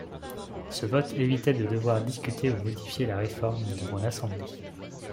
Ce vote évitait de devoir discuter ou modifier la réforme devant l’assemblée.